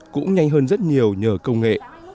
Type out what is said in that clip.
cũng nhanh hơn rất nhiều nhờ công nghệ